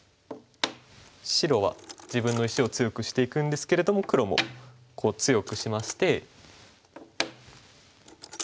白は自分の石を強くしていくんですけれども黒もこう強くしまして。